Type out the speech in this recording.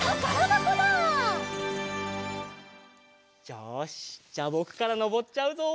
よしじゃあぼくからのぼっちゃうぞ！